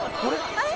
あれ？